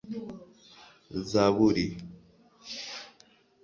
zaburi ,